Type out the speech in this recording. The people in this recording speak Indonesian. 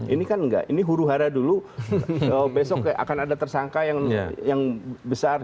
ini kan enggak ini huru hara dulu besok akan ada tersangka yang besar